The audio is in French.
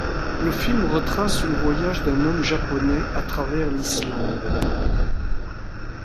Le film retrace le voyage d'un homme japonais à travers l'Islande.